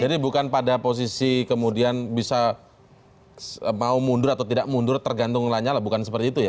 jadi bukan pada posisi kemudian bisa mau mundur atau tidak mundur tergantung pak nyala bukan seperti itu ya pak